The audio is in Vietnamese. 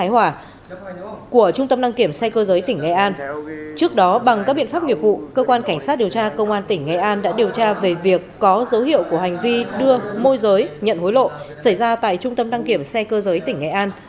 cơ quan cảnh sát điều tra công an tỉnh nghệ an đã điều tra về việc có dấu hiệu của hành vi đưa môi giới nhận hối lộ xảy ra tại trung tâm đăng kiểm xe cơ giới tỉnh nghệ an